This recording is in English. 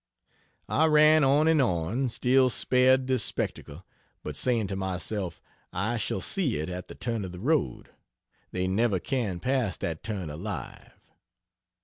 I ran on and on, still spared this spectacle, but saying to myself: "I shall see it at the turn of the road; they never can pass that turn alive."